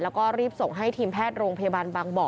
แล้วก็รีบส่งให้ทีมแพทย์โรงพยาบาลบางบ่อ